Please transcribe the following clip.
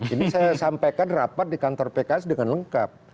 ini saya sampaikan rapat di kantor pks dengan lengkap